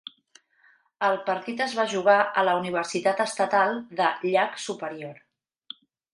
El partit es va jugar a la Universitat Estatal de Llac Superior.